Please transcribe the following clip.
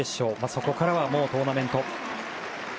そこからはトーナメント。